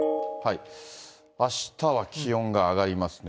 あしたは気温が上がりますね。